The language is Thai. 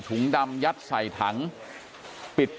กลุ่มตัวเชียงใหม่